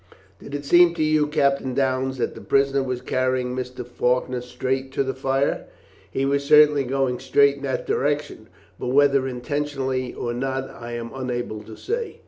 "Did it seem to you, Captain Downes, that the prisoner was carrying Mr. Faulkner straight to the fire?" "He was certainly going straight in that direction, but whether intentionally or not I am unable to say."